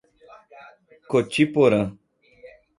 Cotiporã